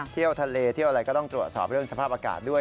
เที่ยวทะเลเที่ยวอะไรก็ต้องตรวจสอบเรื่องสภาพอากาศด้วย